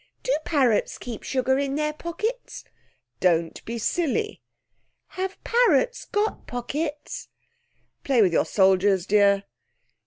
'Do parrots keep sugar in their pockets?' 'Don't be silly.' 'Have parrots got pockets?' 'Play with your soldiers, dear.'